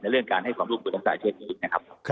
เรื่องการให้ความร่วมมือต่างเช่นนี้นะครับ